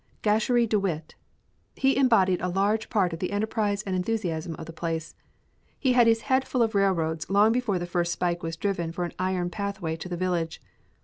Gasherie De Witt! He embodied a large part of the enterprise and enthusiasm of the place. He had his head full of railroads long before the first spike was driven for an iron pathway to the village.